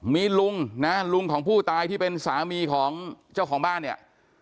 มีลุงนะลุงของผู้ตายที่เป็นสามีของเจ้าของบ้านเนี่ย